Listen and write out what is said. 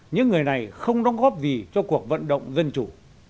những người này không đóng góp gì cho cuộc vận động dân chủ